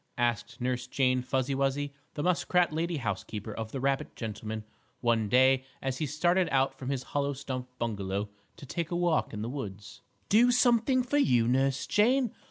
asked Nurse Jane Fuzzy Wuzzy, the muskrat lady housekeeper, of the rabbit gentleman one day as he started out from his hollow stump bungalow to take a walk in the woods. "Do something for you, Nurse Jane?